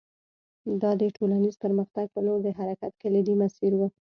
دا د ټولنیز پرمختګ په لور د حرکت کلیدي مسیر و